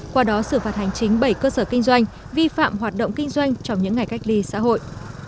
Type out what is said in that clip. qua đó xử phạt hành chính bảy cơ sở kinh doanh vi phạm hoạt động kinh doanh trong những ngày cách ly xã hội